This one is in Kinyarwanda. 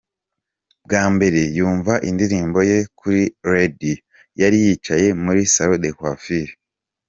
Bwa mbere yumva indirimbo ye kuri radiyo, yari yicaye muri Salon de coiffure.